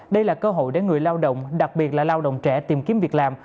đây là cơ hội để người lao động đặc biệt là lao động trẻ tìm kiếm việc làm